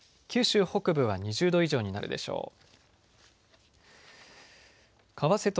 九州北部は２０度以上になるでしょう。